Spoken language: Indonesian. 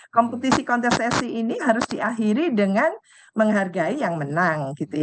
kompetisi kontestasi ini harus diakhiri dengan menghargai yang menang